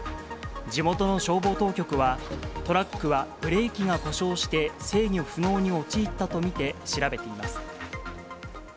地元の消防当局は、トラックはブレーキが故障して、制御不能に陥ったと見て調べています。